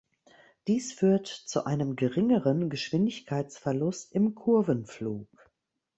Dies führt zu einem geringeren Geschwindigkeitsverlust im Kurvenflug.